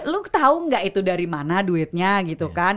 lu tau gak itu dari mana duitnya gitu kan